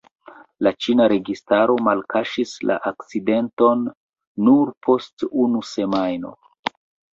La ĉina registaro malkaŝis la akcidenton nur post unu semajno.